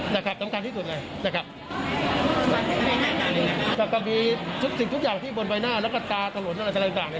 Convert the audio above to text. นั่นตามแล้วก็ตามที่สุดหน่อย